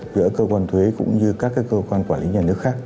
giữa cơ quan thuế cũng như các cơ quan quản lý nhà nước khác